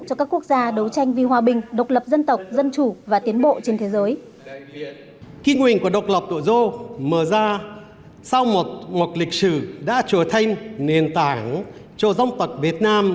cho các quốc gia đấu tranh vì hòa bình độc lập dân tộc dân chủ và tiến bộ trên thế giới